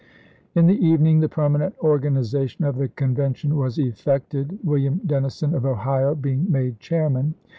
In the evening the permanent organization of June7,i864. the Convention was effected, William Dennison of Ohio being made chairman.